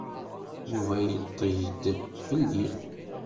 Yuba yenṭeg-d fell-i.